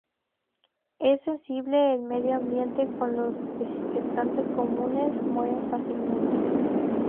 Es sensible al medio ambiente, con los desinfectantes comunes muere fácilmente.